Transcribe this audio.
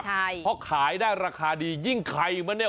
ใช่เพราะขายได้ราคาดียิ่งไข่มันเนี่ย